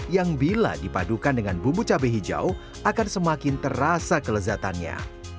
yang bila dipadukan dengan bumbu cabai hijau akan semakin terasa kelezatannya